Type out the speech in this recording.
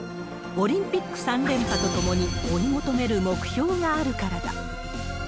オリンピック３連覇とともに、追い求める目標があるからだ。